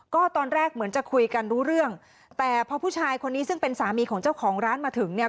ก็ตอนแรกเหมือนจะคุยกันรู้เรื่องแต่พอผู้ชายคนนี้ซึ่งเป็นสามีของเจ้าของร้านมาถึงเนี่ย